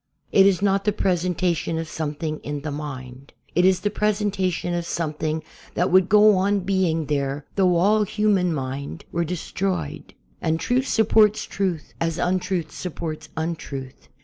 It is not the presentation of something in the mind. It is the presentation of something that would go on being there though all human mind were destroyed. And truth sup ports truth, as untruth supports untruth.